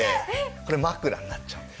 これ枕になっちゃうんです。